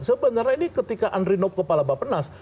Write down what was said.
sebenarnya ini ketika andri nob kepala bapak penas